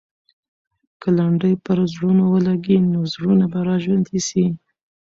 که لنډۍ پر زړونو ولګي، نو زړونه به راژوندي سي.